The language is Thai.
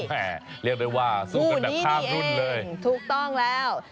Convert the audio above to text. แหมเรียกได้ว่าสู้กันแบบข้างรุ่นเลยคุณนี่เองถูกต้องแล้ว